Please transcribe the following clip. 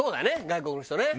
外国の人ね。